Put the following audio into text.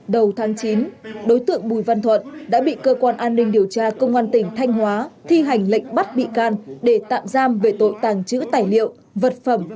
đầu tháng chín đối tượng bùi văn thuận đã bị cơ quan an ninh điều tra công an tỉnh thanh hóa thi hành lệnh bắt bị can để tạm giam về tội tàng trữ tài liệu vật phẩm